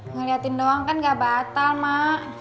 ngeliatin doang kan gak batal mak